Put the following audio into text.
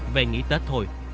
về nghỉ tết thôi